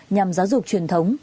nhằm giáo dục truyền thống